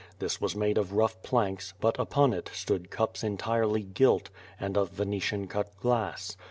This was made of rough planks, but upon it stood cups entirely gilt, and of Venetian cut glass.